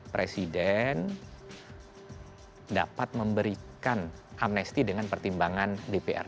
presiden dapat memberikan amnesti dengan pertimbangan dpr